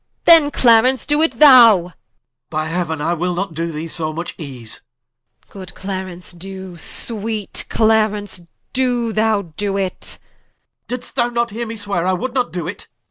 Then Clarence do it thou Cla. By heauen, I will not do thee so much ease Qu. Good Clarence do: sweet Clarence do thou do it Cla. Did'st thou not heare me sweare I would not do it?